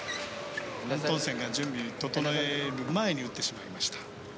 アントンセンが準備を整える前に打ってしまいました。